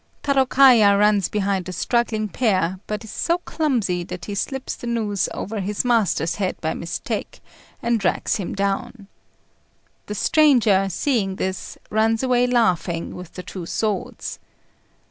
Tarôkaja runs behind the struggling pair, but is so clumsy that he slips the noose over his master's head by mistake, and drags him down. The stranger, seeing this, runs away laughing with the two swords.